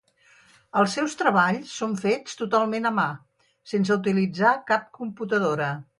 Els seus treballs són fets totalment a mà, sense utilitzar cap computadora.